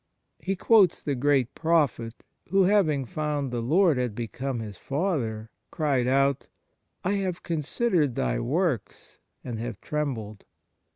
He quotes the great prophet who, " having found the Lord had become his Father, cried out : I have considered Thy works, and have trembled.